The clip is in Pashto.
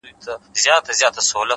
زده کړه د عمر له پولې خلاصه ده؛